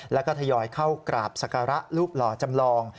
แล้วก็ทยอยเข้ากราบศักระรูปหล่อจำลอง